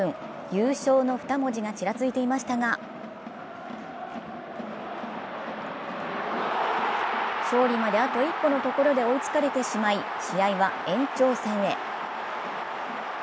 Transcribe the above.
優勝の二文字がちらついていましたが勝利まであと一歩のところで追いつかれてしまい試合は延長戦へ。